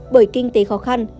bởi kinh tế khó khăn